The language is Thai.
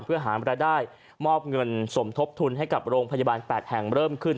เพื่อหารายได้มอบเงินสมทบทุนให้กับโรงพยาบาล๘แห่งเริ่มขึ้น